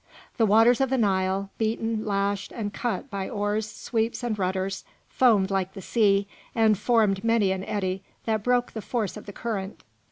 The waters of the Nile, beaten, lashed, and cut by oars, sweeps, and rudders, foamed like the sea, and formed many an eddy that broke the force of the current.